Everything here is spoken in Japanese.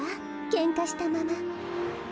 けんかしたまま。